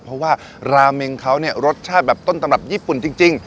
เพราะว่าราเมงเขาเนี่ยรสชาติแบบต้นตำรับญี่ปุ่นจริง